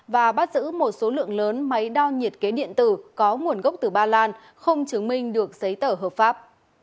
và bắt giữ một số lượng lớn máy đo nhiệt kế điện tử có nguồn gốc từ ba lan không chứng minh được giấy tờ hợp pháp